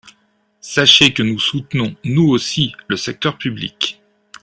Sachez que nous soutenons, nous aussi, le secteur public.